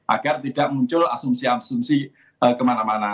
agar tidak muncul asumsi asumsi kemana mana